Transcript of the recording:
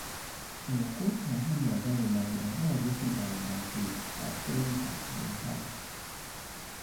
Eyakuuka amannyo agaluma bw’aba alya tugamba nti afunta entama.